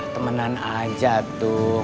temenan aja tuh